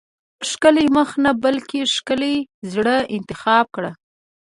ښکلی مخ نه بلکې ښکلي زړه انتخاب کړه.